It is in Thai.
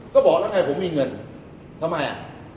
ก็บอกแล้วไงผมมีเงินทำไมอ่ะ